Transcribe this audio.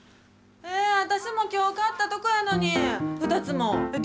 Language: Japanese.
えー、私もきょう買ったとこやのに、２つも。